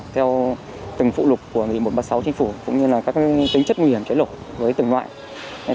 theo từng phụ lục của nghị một trăm ba mươi sáu chính phủ cũng như là các tính chất nguy hiểm cháy nổ với từng loại